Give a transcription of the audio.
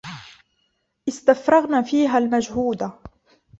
اسْتَفْرَغْنَا فِيهَا الْمَجْهُودَ